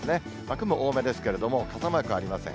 雲多めですけれども、傘マークはありません。